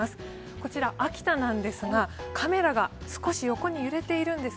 こちら、秋田なんですが、カメラが少し横に揺れているんです。